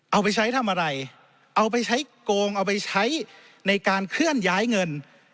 เอาไปใช้ทำอะไรเอาไปใช้โกงเอาไปใช้ในการเคลื่อนย้ายเงิน